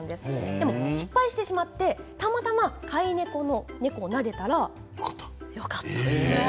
でも失敗してしまってたまたま飼い猫をなでてみたらよかった。